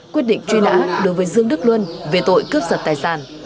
quyết định truy nã đối với dương đức luân về tội cướp giật tài sản